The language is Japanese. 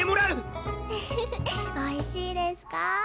ウフフおいしいですか？